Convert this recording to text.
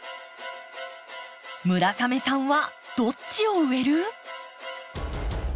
村雨さんはどっちを植える？